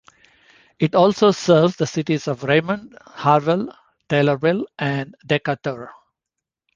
It also serves the cities of Raymond, Harvel, Taylorville, and Decatur.